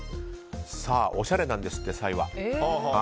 さあ、おしゃれなんですって。